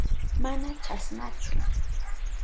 Mana chasnachu.